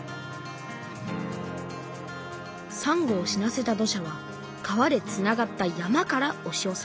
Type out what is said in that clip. さんごを死なせた土砂は川でつながった山からおしよせました。